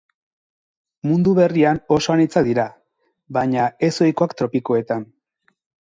Mundu Berrian oso anitzak dira, baina ez-ohikoak tropikoetan.